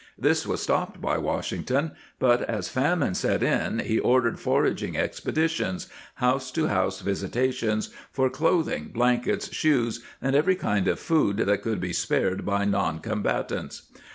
This was stopped by Washington, but as famine set in, he ordered foraging expe ditions — house to house visitations — for clothing, blankets, shoes, and every kind of food that could be spared by non combatants.